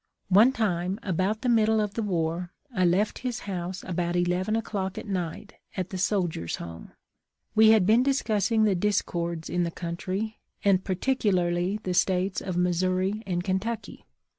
One time, about the middle of the war, I left his house about eleven o'clock at night, at the Soldiers' Home. We had been discussing the discords in the country, and particularly the States of Missouri and Kentucky.